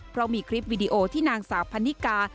เพราะมีคลิปวิดีโอที่นางสาวพันนิกา